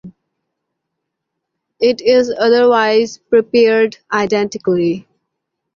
It is otherwise prepared identically.